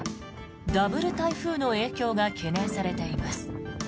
ダブル台風の影響が懸念されています。